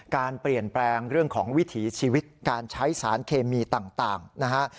การเปลี่ยนแปลงเรื่องของวิถีชีวิตการใช้สารเคมีต่างนะฮะ